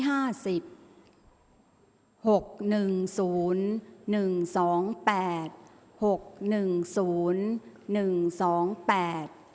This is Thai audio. ออกรางวัลที่๖